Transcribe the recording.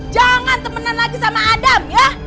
jangan temenan lagi sama adam ya